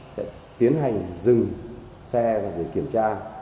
sẽ tiến hành dừng xe để kiểm tra